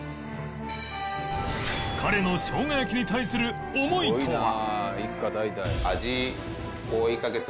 彼の生姜焼きに対する思いとは